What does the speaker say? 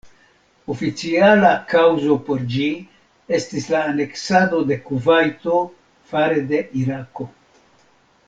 Oficiala kaŭzo por ĝi estis la aneksado de Kuvajto fare de Irako.